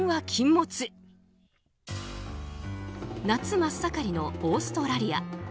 夏真っ盛りのオーストラリア。